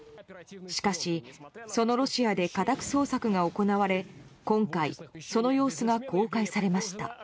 しかし、そのロシアで家宅捜索が行われ今回、その様子が公開されました。